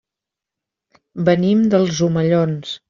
Venim dels Omellons.